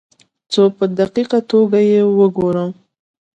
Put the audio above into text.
څو په دقیقه توګه یې وګورم.